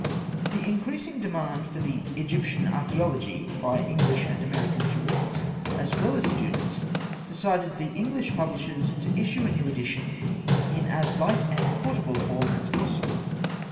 The increasing demand for the Egyptian Archaeology by English and American tourists, as well as students, decided the English publishers to issue a new edition in as light and portable a form as possible.